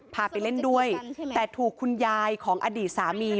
พาไปเล่นด้วยแต่ถูกคุณยายของอดีตสามี